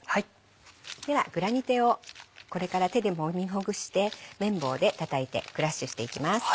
ではグラニテをこれから手でもみほぐして麺棒でたたいてクラッシュしていきます。